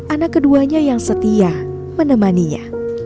anak keduanya yang setia menemani dia